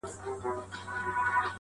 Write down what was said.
پر سجدوی وي زیارتو کي د پیرانو؛